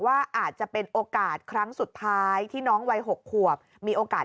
ว่าอาจจะเป็นโอกาสครั้งสุดท้ายที่น้องวัย๖ขวบมีโอกาส